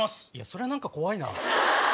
それは何か怖いな。